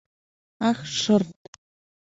Ах, шырт!